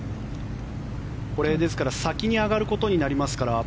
これ先に上がることになりますから。